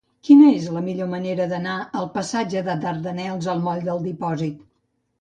Quina és la millor manera d'anar del passatge dels Dardanels al moll del Dipòsit?